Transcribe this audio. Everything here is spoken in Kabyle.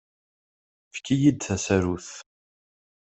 Efk-iyi-d tasarut.